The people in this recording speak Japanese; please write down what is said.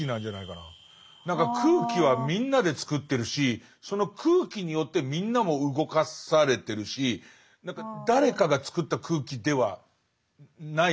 何か空気はみんなで作ってるしその空気によってみんなも動かされてるし何か誰かが作った空気ではないような気がするんですよ。